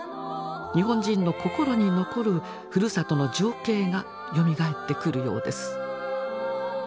日本人の心に残るふるさとの情景がよみがえってくるようです。